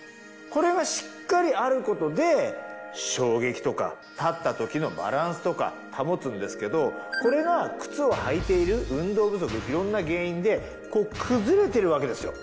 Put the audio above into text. これがしっかりあることで衝撃とか立った時のバランスとか保つんですけどこれが靴を履いている運動不足いろんな原因で崩れてるわけですよ。